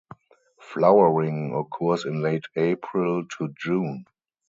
Flowering occurs in late April to June.